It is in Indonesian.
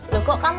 loh kok kamu tau